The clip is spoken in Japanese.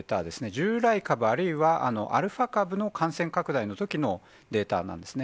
従来株、あるいはアルファ株の感染拡大のときのデータなんですね。